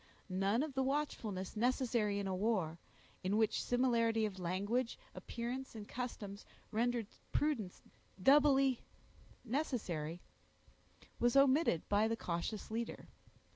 None of the watchfulness necessary in a war, in which similarity of language, appearance, and customs rendered prudence doubly necessary, was omitted by the cautious leader.